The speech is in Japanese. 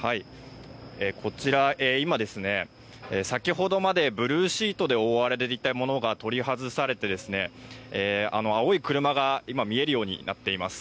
先ほどまでブルーシートで覆われていたものが取り外されて、青い車が見えるようになっています。